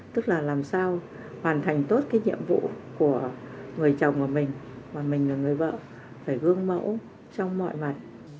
tức là làm sao hoàn thành tốt cái nhiệm vụ của người chồng của mình và mình là người vợ phải gương mẫu trong mọi mặt